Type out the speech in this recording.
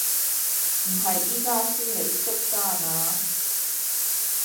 唔係而家先嚟縮沙呀嘛？